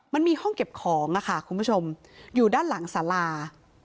มันมีห้องเก็บของค่ะคุณผู้ชมอยู่ด้านหลังสารา